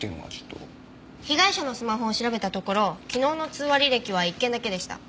被害者のスマホを調べたところ昨日の通話履歴は１件だけでした。